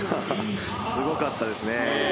すごかったですね。